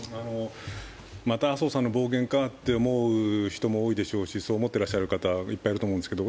また麻生さんの暴言かと思う人も多いでしょうし、そう思ってらっしゃる方、いっぱいいると思うんですけど